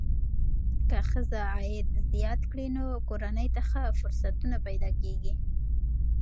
که ښځه عاید زیات کړي، نو کورنۍ ته ښه فرصتونه پیدا کېږي.